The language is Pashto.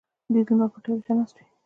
دوی د لمر پیتاوي ته ناست وي.